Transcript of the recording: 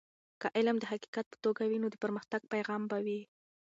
که علم د حقیقت په توګه وي نو د پرمختګ پیغام به وي.